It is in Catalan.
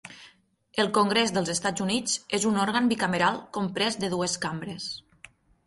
El Congrés dels Estats Units és un òrgan bicameral comprès de dues cambres.